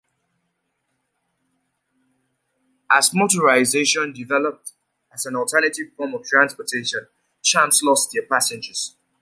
As motorization developed as an alternative form of transportation, trams lost their passengers.